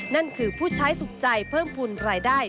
นั่นคือผู้ใช้สุขใจเพิ่มภูมิรายได้